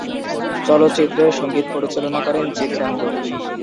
চলচ্চিত্রের সংগীত পরিচালনা করেন জিৎ গাঙ্গুলী।